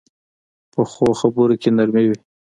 پخو خبرو کې نرمي وي